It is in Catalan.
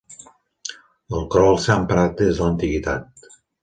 El crol s'ha emprat des de l'antiguitat.